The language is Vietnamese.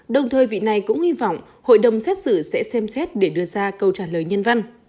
đồng thời vị này cũng hy vọng hội đồng xét xử sẽ xem xét để đưa ra câu trả lời nhân văn